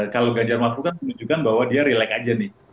kalau ganjar mahfud kan menunjukkan bahwa dia relax aja nih